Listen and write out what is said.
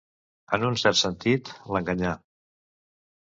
En un cert sentit, l'enganyà.